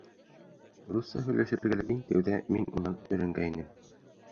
Русса һөйләшергә лә иң тәүҙә мин унан өйрәнгәйнем.